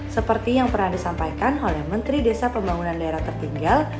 seperti yang pernah disampaikan oleh menteri desa pembangunan daerah tertinggal